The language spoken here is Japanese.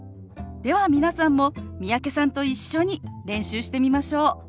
では皆さんも三宅さんと一緒に練習してみましょう！